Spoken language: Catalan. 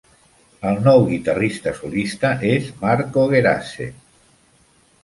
El nou guitarra solista és Marco Gerace.